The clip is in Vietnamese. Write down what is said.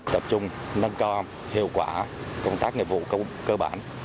tập trung nâng cao hiệu quả công tác nghiệp vụ cơ bản